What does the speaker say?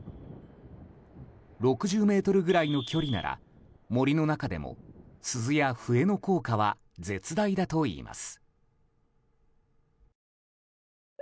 ６０ｍくらいの距離なら森の中でも鈴や笛の効果は絶大だといいます。